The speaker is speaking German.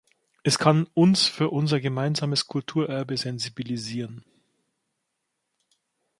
Es kann uns für unser gemeinsames Kulturerbe sensibilisieren.